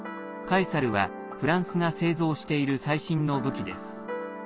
「カエサル」は、フランスが製造している最新の武器です。